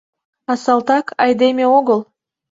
А салтак — айдеме огыл!